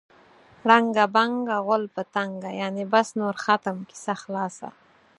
ړنګه بنګه غول په تنګه. یعنې بس نور ختم، کیسه خلاصه.